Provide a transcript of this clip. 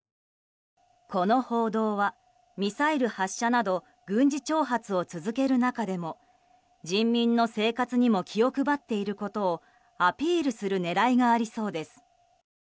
この報道は、ミサイル発射など軍事挑発を続ける中でも人民の生活にも気を配っていることをアピールする狙いがありそうです。